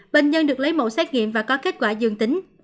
bệnh nhân được lấy mẫu xét nghiệm và có kết quả dương tính